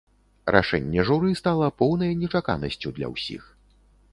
Рашэнне журы стала поўнай нечаканасцю для ўсіх.